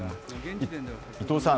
伊藤さん。